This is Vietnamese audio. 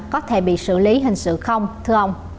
có thể bị xử lý hình sự không thưa ông